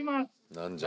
何じゃ？